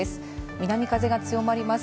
南風が強まります。